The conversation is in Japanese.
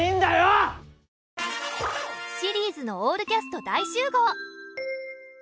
シリーズのオールキャスト大集合。